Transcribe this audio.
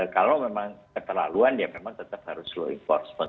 kalau memang keterlaluan ya memang tetap harus law enforcement